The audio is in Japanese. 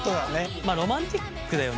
まあロマンチックだよね。